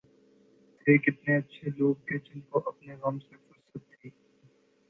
تھے کتنے اچھے لوگ کہ جن کو اپنے غم سے فرصت تھی